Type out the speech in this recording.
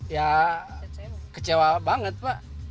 ya kecewa banget pak